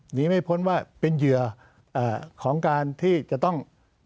หนีไม่พ้นว่าเป็นเหยื่อของการที่จะต้อง